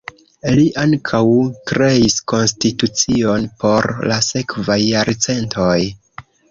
Li ankaŭ kreis konstitucion por la sekvaj jarcentoj.